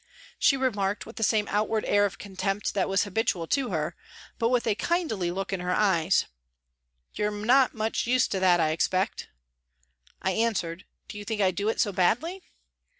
She remarked, with the same outward air of contempt that was habitual to her, but with a kindly look in her eyes :" You're not much used to that, I expect ?" I answered :" Do you think I do it so badly